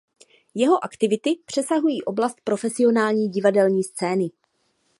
Jeho aktivity přesahují oblast profesionální divadelní scény.